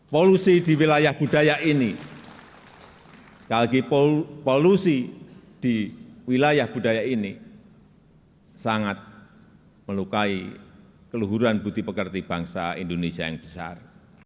polusi di wilayah budaya ini sekali lagi polusi di wilayah budaya ini sangat melukai keluhuran budi pekerti bangsa indonesia yang besar